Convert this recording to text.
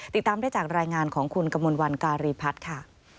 ติดตามได้จากรายงานของคุณกมลวันการีพัฒน์ค่ะ